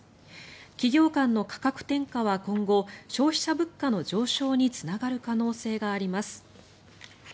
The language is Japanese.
企業間の価格転嫁は今後消費者物価の上昇につながる可能性があります。